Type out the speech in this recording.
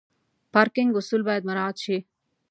پارکینګ اصول باید مراعت شي.